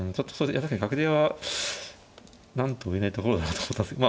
いや確かに角出は何とも言えないところだと思ったんですけど。